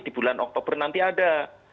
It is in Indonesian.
di bulan oktober nanti ada